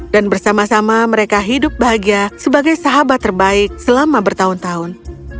dan bersama sama mereka hidup bahagia sebagai sahabat terbaik selama bertahun tahun